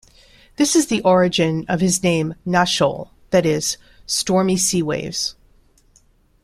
This is the origin of his name "Nahshol", that is, "stormy sea-waves".